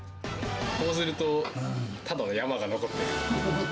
こうするとただの山が残ってる。